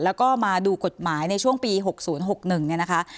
แล้วก็มาดูกฎหมายในช่วงปี๖๐๖๑เนี่ยนะคะ